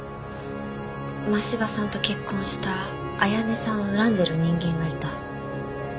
真柴さんと結婚した綾音さんを恨んでる人間がいた？